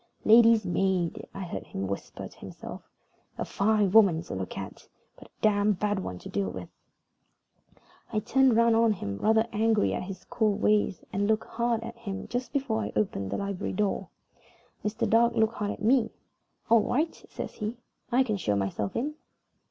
"Lady's maid," I heard him whisper to himself. "A fine woman to look at, but a damned bad one to deal with." I turned round on him, rather angry at his cool ways, and looked hard at him just before I opened the library door. Mr. Dark looked hard at me. "All right," says he. "I can show myself in."